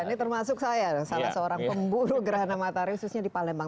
ini termasuk saya salah seorang pemburu gerhana matahari khususnya di palembang